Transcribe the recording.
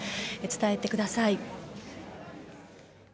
伝えてください。